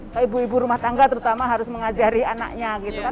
ke ibu ibu rumah tangga terutama harus mengajari anaknya gitu kan